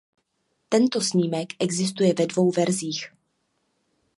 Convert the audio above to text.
Tento snímek existuje ve dvou verzích.